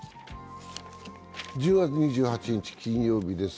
１０月２８日金曜日です。